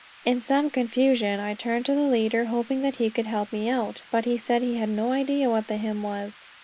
In some confusion I turned to the leader, hoping that he could help me out; but he said he had no idea what the hymn was.